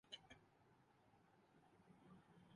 یہی وہ میدان ہے۔